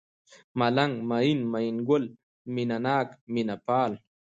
ملنگ ، مين ، مينه گل ، مينه ناک ، مينه پال